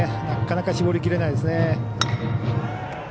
なかなか絞りきれないですね。